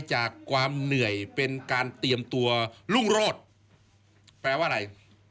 จากความเหนื่อยเป็นการเตรียมตัวรุ่งโรธแปลว่าอะไร